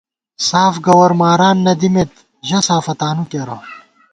ساف گوَر ماران نہ دِمېت ژہ سافہ تانُو کېرہ